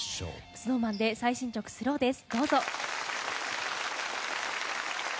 ＳｎｏｗＭａｎで最新曲「ｓｌｏｗ」です。